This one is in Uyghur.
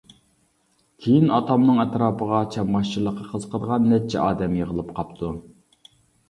كېيىن ئاتامنىڭ ئەتراپىغا چامباشچىلىققا قىزىقىدىغان نەچچە ئادەم يىغىلىپ قاپتۇ.